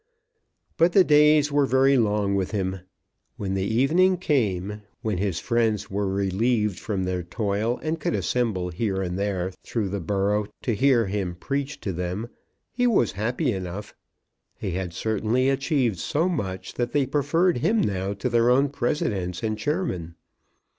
But the days were very long with him. When the evening came, when his friends were relieved from their toil, and could assemble here and there through the borough to hear him preach to them, he was happy enough. He had certainly achieved so much that they preferred him now to their own presidents and chairmen.